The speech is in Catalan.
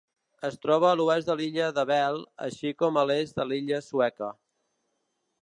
Es troba a l'oest de l'illa d'Abel, així com a l'est de l'illa sueca.